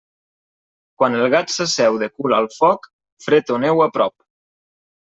Quan el gat s'asseu de cul al foc, fred o neu a prop.